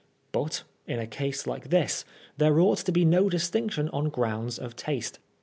Bnt in a case like this there onght to be no distinction on grounds of taste.